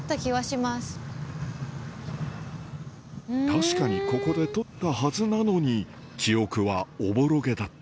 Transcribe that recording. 確かにここで撮ったはずなのに記憶はおぼろげだった